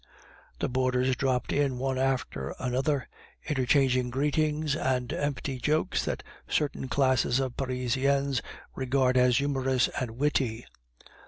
The boarders dropped in one after another, interchanging greetings and empty jokes that certain classes of Parisians regard as humorous and witty.